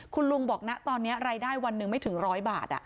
คุณลุงบอกนะตอนนี้รายได้วันหนึ่งไม่ถึง๑๐๐บาท